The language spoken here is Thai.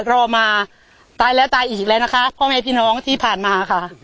รอมาตายแล้วตายอีกแล้วนะคะพ่อแม่พี่น้องที่ผ่านมาค่ะ